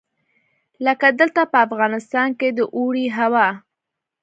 لکه دلته په افغانستان کې د اوړي هوا.